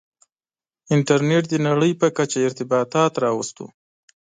• انټرنېټ د نړۍ په کچه ارتباطات راوستل.